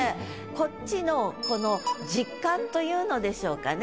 こっちのこの実感というのでしょうかね。